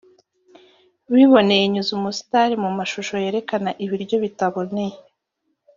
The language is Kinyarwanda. biboneye nyuza umusitari mu mashusho yerekana ibiryo bitaboneye